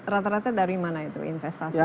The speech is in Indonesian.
rata rata dari mana itu investasinya